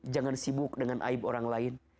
jangan sibuk dengan aib orang lain